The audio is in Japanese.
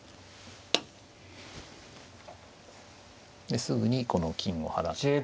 ですぐにこの金を払って。